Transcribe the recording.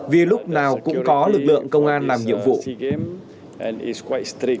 vì lúc nào cũng có lực lượng công an làm nhiệm vụ